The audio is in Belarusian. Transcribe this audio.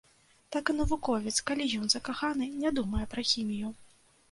Так і навуковец, калі ён закаханы, не думае пра хімію.